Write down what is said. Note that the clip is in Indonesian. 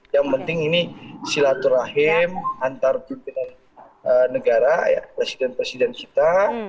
yang penting ini silaturahim antar pimpinan negara presiden presiden kita